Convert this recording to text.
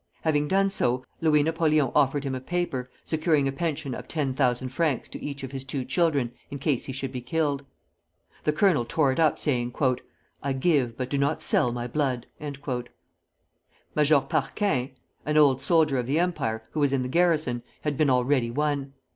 Having done so, Louis Napoleon offered him a paper, securing a pension of 10,000 francs to each of his two children, in case he should be killed. The colonel tore it up, saying, "I give, but do not sell, my blood." Major Parquin, an old soldier of the Empire, who was in the garrison, had been already won.